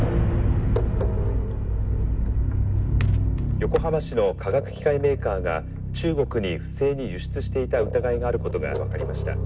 「横浜市の化学機械メーカーが中国に不正に輸出していた疑いがあることが分かりました」。